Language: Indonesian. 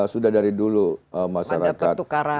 sudah dari dulu masyarakat